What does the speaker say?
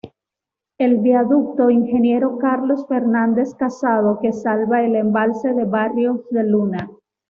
El viaducto Ingeniero Carlos Fernández Casado que salva el embalse de Barrios de Luna.